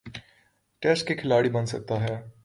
Test کا کھلاڑی بن سکتا ہے۔